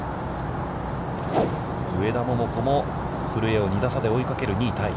上田桃子も古江を２打差で追いかける２位タイ。